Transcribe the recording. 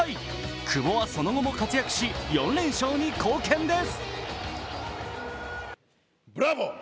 久保はそのまま活躍し、４連勝に貢献です。